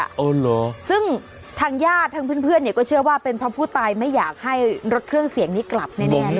อ๋อเหรอซึ่งทางญาติทางเพื่อนเนี่ยก็เชื่อว่าเป็นเพราะผู้ตายไม่อยากให้รถเครื่องเสียงนี้กลับแน่เลย